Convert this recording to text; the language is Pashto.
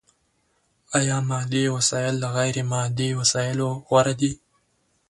ايا مادي وسايل له غير مادي وسايلو غوره دي؟